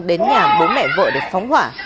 đến nhà bố mẹ vợ để phóng hỏa